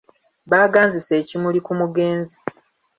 Baaganzise ekimuli ku mugenzi.